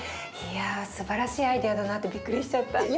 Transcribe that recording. いやすばらしいアイデアだなってびっくりしちゃった。